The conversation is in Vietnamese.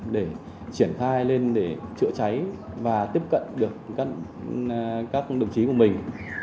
để triển khai lên để chữa cháy và tiếp cận được các đồng chí của mình